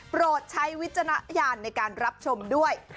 โปรดใช้วิจารณญาณในการรับชมด้วย